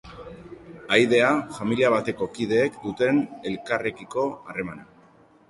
Ahaidea, familia bateko kideek duten elkarrekiko harremana.